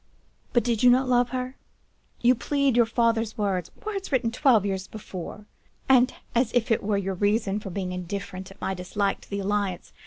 "'But did you not love her? You plead your father's words,—words written twelve years before,—and as if that were your reason for being indifferent to my dislike to the alliance.